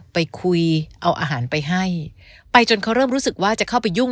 ไปคุยเอาอาหารไปให้ไปจนเขาเริ่มรู้สึกว่าจะเข้าไปยุ่ง